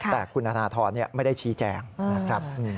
แต่คุณธนทรไม่ได้ชี้แจงนะครับ